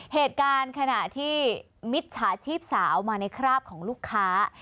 เหตุการณ์ขณะที่มิจฉาชีพสาวมาในคราบของลูกค้า